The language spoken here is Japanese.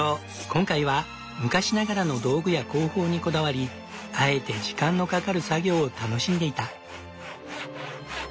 今回は昔ながらの道具や工法にこだわりあえて時間のかかる作業を楽しんでいた。